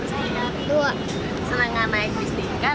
sudah berapa kali naik bus tingkat